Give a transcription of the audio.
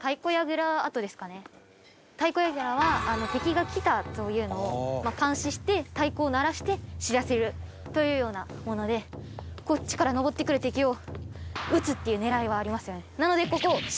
太鼓櫓は敵が来たというのを監視して太鼓を鳴らして知らせるというようなものでこっちから上ってくる敵を討つっていう狙いはありますよね。